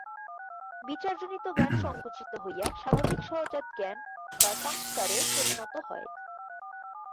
বিচার-জনিত জ্ঞান সঙ্কুচিত হইয়া স্বাভাবিক সহজাত জ্ঞান বা সংস্কারে পরিণত হয়।